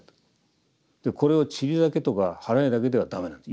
これを「塵」だけとか「払え」だけではダメなんです